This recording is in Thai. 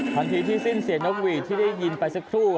ทันทีที่สิ้นเสียงนกหวีดที่ได้ยินไปสักครู่